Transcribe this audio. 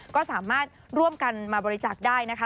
ก็สามารถร่วมกันมาบริจาคได้นะคะ